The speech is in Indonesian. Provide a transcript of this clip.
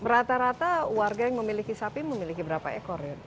rata rata warga yang memiliki sapi memiliki berapa ekor ya